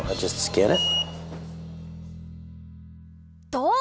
どう？